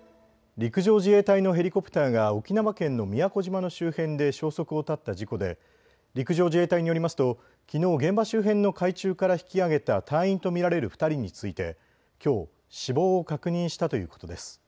陸上自衛隊のヘリコプターが沖縄県の宮古島の周辺で消息を絶った事故で陸上自衛隊によりますときのう現場周辺の海中から引きあげた隊員と見られる２人についてきょう、死亡を確認したということです。